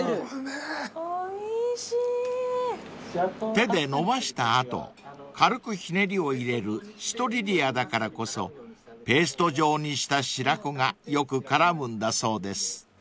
［手で延ばした後軽くひねりを入れるシュトリリヤだからこそペースト状にした白子がよく絡むんだそうです］